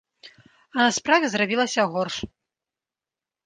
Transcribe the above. А на справе зрабілася горш.